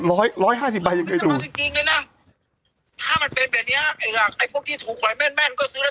ไม่ใช่คุณจะเอาไปที่ถูกออกอย่างเดียว